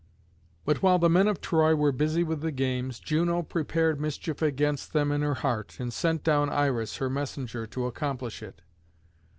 But while the men of Troy were busy with the games, Juno prepared mischief against them in her heart, and sent down Iris, her messenger, to accomplish it.